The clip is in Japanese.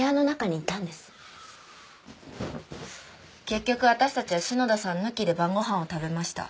結局私たちは篠田さん抜きで晩ご飯を食べました。